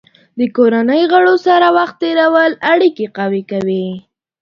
د کورنۍ غړو سره وخت تېرول اړیکې قوي کوي.